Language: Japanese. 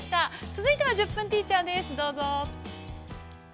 続いては「１０分ティーチャー」です、どうぞ。